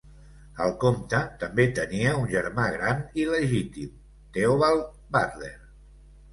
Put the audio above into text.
El comte també tenia un germà gran il·legítim, Theobald Butler.